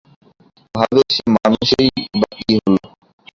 ভাবে- সে মানুষেরই বা কি হল?